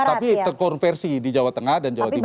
tapi terkonversi di jawa tengah dan jawa timur